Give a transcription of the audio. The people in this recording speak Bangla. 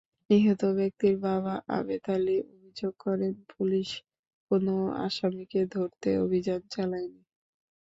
নিহত ব্যক্তির বাবা আবেদ আলী অভিযোগ করেন, পুলিশ কোনো আসামিকে ধরতে অভিযান চালায়নি।